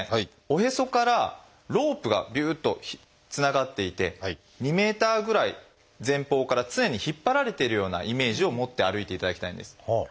おへそからロープがびゅっとつながっていて２メーターぐらい前方から常に引っ張られているようなイメージを持って歩いていただきたいんです。